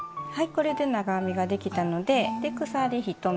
これで長編みができたので鎖１目。